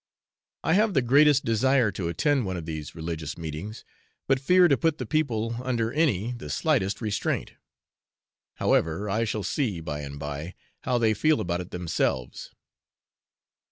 I have the greatest desire to attend one of these religious meetings, but fear to put the people under any, the slightest restraint. However, I shall see, by and by, how they feel about it themselves.